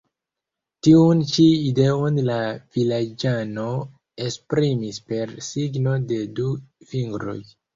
Tiun ĉi ideon la vilaĝano esprimis per signo de du fingroj.